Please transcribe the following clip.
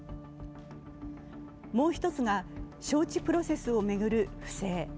もう一つが、招致プロセスを巡る不正。